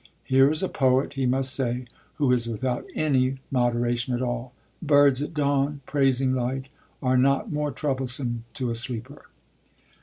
Here is a poet, he must say, who is without any moderation at all; birds at dawn, praising light, are not more troublesome to a sleeper.